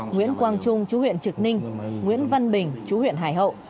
nguyễn quang trung chú huyện trực ninh nguyễn văn bình chú huyện hải hậu